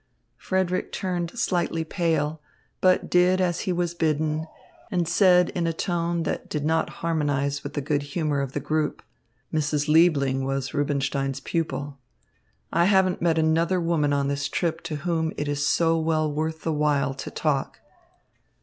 Frederick turned slightly pale, but did as he was bidden and said in a tone that did not harmonise with the good humour of the group: "Mrs. Liebling was Rubinstein's pupil. I haven't met another woman on this trip to whom it is so well worth the while to talk."